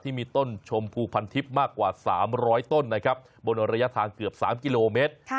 ที่มีต้นชมพูพันทิพย์มากกว่า๓๐๐ต้นนะครับบนระยะทางเกือบ๓กิโลเมตร